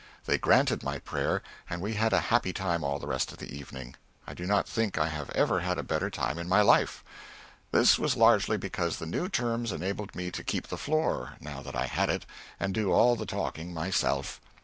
They granted my prayer, and we had a happy time all the rest of the evening; I do not think I have ever had a better time in my life. This was largely because the new terms enabled me to keep the floor now that I had it and do all the talking myself.